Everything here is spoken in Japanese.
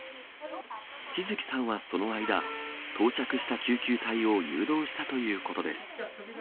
陽月さんはその間、到着した救急隊を誘導したということです。